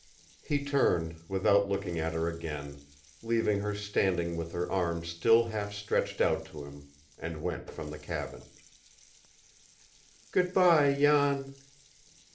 He turned, without looking at her again, leaving her standing with her arms still half stretched out to him, and went from the cabin. "Good by, Jan!"